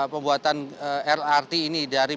pembuatan lrt ini dari